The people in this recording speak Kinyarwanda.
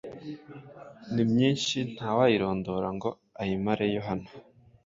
ni myinshi ntawayirondora ngo ayimareyo hano.